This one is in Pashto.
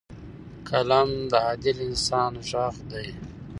قلم د عادل انسان غږ دی